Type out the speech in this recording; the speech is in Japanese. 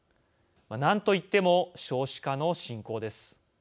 何といっても少子化の進行です。